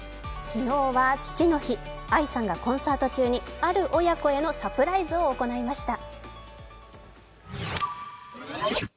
昨日は父の日、ＡＩさんがコンサート中にある親子へのサプライズを行いました。